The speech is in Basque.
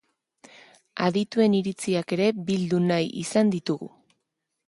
Adituen iritziak ere bildu nahi izan ditugu.